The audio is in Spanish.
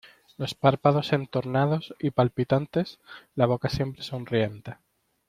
los párpados entornados y palpitantes, la boca siempre sonriente